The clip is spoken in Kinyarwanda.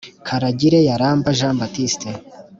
karagire yaramba jean baptiste